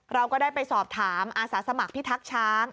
เราก็ได้ไปสอบถามอาสาสมัครพิทักษ์ช้าง